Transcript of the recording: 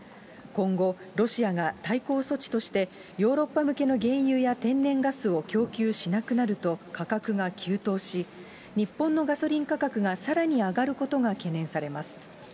今後、ロシアが対抗措置として、ヨーロッパ向けの原油や天然ガスを供給しなくなると価格が急騰し、日本のガソリン価格がさらに上がることが懸念されます。